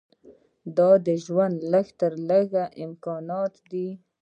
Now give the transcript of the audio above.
دا د ژوند لږ تر لږه امکانات دي.